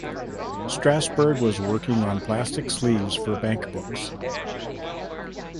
Strassberg was working on plastic sleeves for bankbooks.